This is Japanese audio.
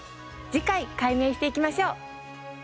次回解明していきましょう。